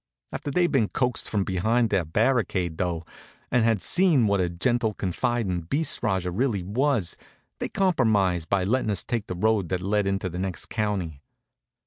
After they'd been coaxed from behind their barricade, though, and had seen what a gentle, confidin' beast Rajah really was, they compromised by letting us take a road that led into the next county.